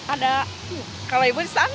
ada spot yang loporin atau dimana